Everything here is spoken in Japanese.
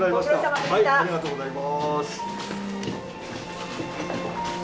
ありがとうございます。